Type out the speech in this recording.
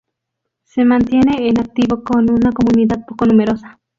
Se mantiene en activo con una comunidad poco numerosa.